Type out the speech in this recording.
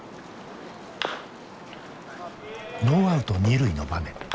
ノーアウト二塁の場面。